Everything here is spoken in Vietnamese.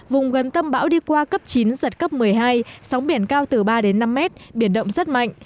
vùng gần tâm bão đi qua cấp chín giật cấp một mươi hai sóng biển cao từ ba đến năm mét biển động rất mạnh